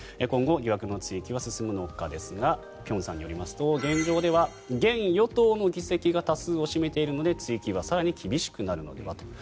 今後、疑惑の追及が進むのかですが辺さんによりますと現状では現与党の議席が多数を占めているので追及は更に厳しくなるのではと。